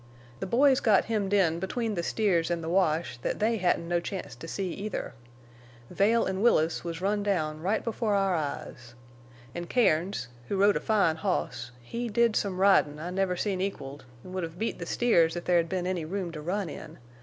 The boys got hemmed in between the steers an' the wash—thet they hedn't no chance to see, either. Vail an' Willis was run down right before our eyes. An' Cairns, who rode a fine hoss, he did some ridin'. I never seen equaled, en' would hev beat the steers if there'd been any room to run in.